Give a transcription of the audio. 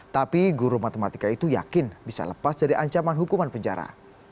tapi guru matematika itu yakin bisa lepas dari ancaman hukuman penjara